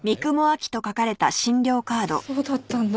そうだったんだ。